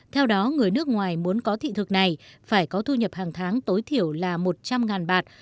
theo đó người nước ngoài muốn có thị thực này phải có thu nhập hàng tháng tối thiểu là một trăm linh bạt